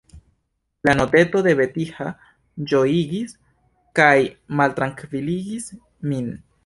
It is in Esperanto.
La noteto de Vetiha ĝojigis kaj maltrankviligis min.